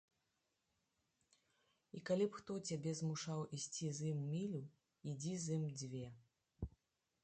І калі б хто цябе змушаў ісці з ім мілю, ідзі з ім дзве.